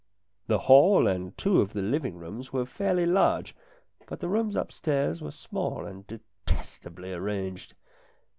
The hall and two of the living rooms were fairly large, but the rooms upstairs were small and detestably arranged.